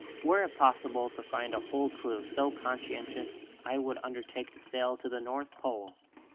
Were it possible to find a whole crew so conscientious I would undertake to sail to the North Pole."